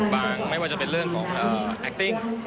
ไม่ว่าจะเป็นเรื่องของแอคติ้ง